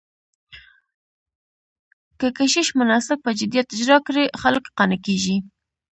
که کشیش مناسک په جديت اجرا کړي، خلک قانع کېږي.